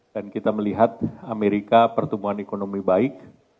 dan kita melihat amerika pertumbuhan ekonomi baik